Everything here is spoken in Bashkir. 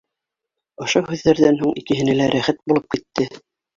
Ошо һүҙҙәрҙән һуң икеһенә лә рәхәт булып китте